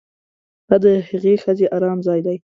دا د هغې ښځې ارام ځای دی